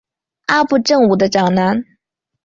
阿部正武的长男。